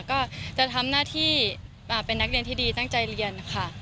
ก็จะทำหน้าที่เป็นนักเรียนที่ดีตั้งใจเรียนค่ะ